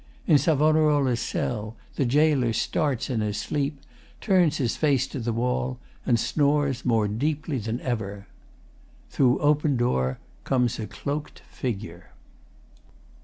In SAV.'s cell the GAOLER starts in his sleep, turns his face to the wall, and snores more than ever deeply. Through open door comes a cloaked figure.